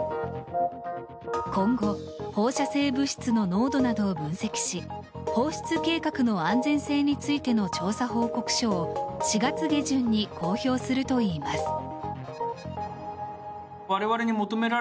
今後、放射性物質の濃度などを分析し放出計画の安全性についての調査報告書を４月下旬に公表するといいます。